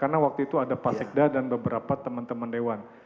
karena waktu itu ada pak sekda dan beberapa teman teman dewan